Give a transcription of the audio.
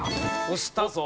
押したぞ。